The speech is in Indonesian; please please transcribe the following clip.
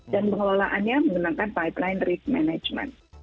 dan pengelolaannya menggunakan pipeline risk management